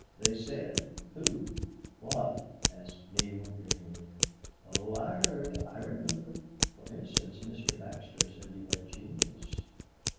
"They said! Who? What?" asked Neale, dreamily. "Oh, I heard, I remember!... For instance, Mr. Baxter said you had genius."